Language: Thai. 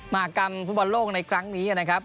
มหากรรมฟุตบอลโลกในครั้งนี้นะครับ